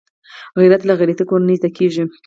غیرت له غیرتي کورنۍ زده کېږي